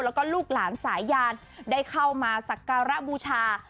แล้วก็ลูกหลานสายยานได้เข้ามาสักการะบูชา